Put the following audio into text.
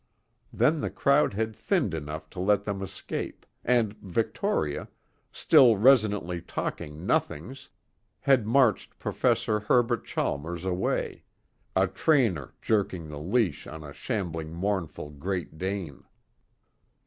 Then the crowd had thinned enough to let them escape, and Victoria, still resonantly talking nothings, had marched Professor Herbert Chalmers away, a trainer jerking the leash on a shambling mournful Great Dane.